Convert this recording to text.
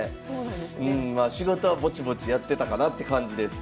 まあ仕事はぼちぼちやってたかなって感じです。